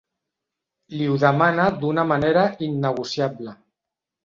Li ho demana d'una manera innegociable.